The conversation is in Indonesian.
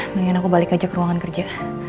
mendingan aku balik aja ke ruangan kerja